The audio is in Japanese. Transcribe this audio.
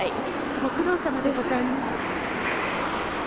ご苦労さまでございます。